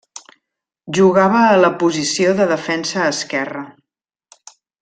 Jugava a la posició de defensa esquerre.